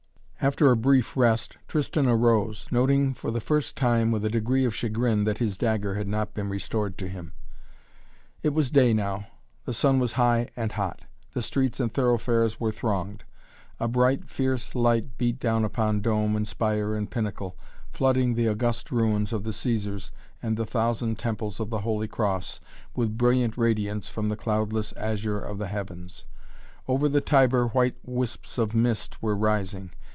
After a brief rest Tristan arose, noting for the first time with a degree of chagrin that his dagger had not been restored to him. It was day now. The sun was high and hot. The streets and thoroughfares were thronged. A bright, fierce light beat down upon dome and spire and pinnacle, flooding the august ruins of the Cæsars and the thousand temples of the Holy Cross with brilliant radiance from the cloudless azure of the heavens. Over the Tiber white wisps of mist were rising.